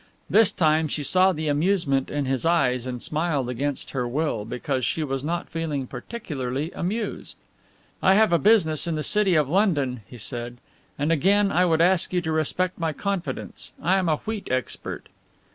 This time she saw the amusement in his eyes and smiled against her will, because she was not feeling particularly amused. "I have a business in the city of London," he said, "and again I would ask you to respect my confidence. I am a wheat expert."